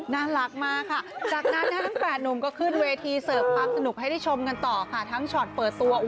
น่ารักมากค่ะจากนั้นทั้ง๘หนุ่มก็ขึ้นเวทีเสิร์ฟความสนุกให้ได้ชมกันต่อค่ะทั้งช็อตเปิดตัว